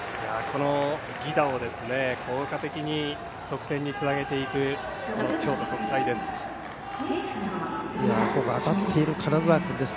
犠打を効果的に得点につなげていく京都国際です。